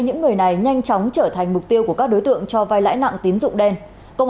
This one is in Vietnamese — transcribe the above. những người này nhanh chóng trở thành mục tiêu của các đối tượng cho vai lãi nặng tín dụng đen công